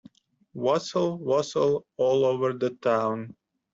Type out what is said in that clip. Wassail, wassail all over the town.